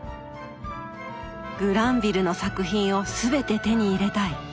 グランヴィルの作品を全て手に入れたい。